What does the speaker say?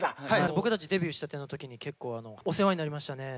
僕たちデビューしたての時に結構お世話になりましたね。